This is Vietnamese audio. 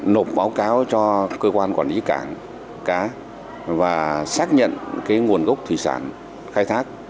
nộp báo cáo cho cơ quan quản lý cảng cá và xác nhận cái nguồn gốc thủy sản khai thác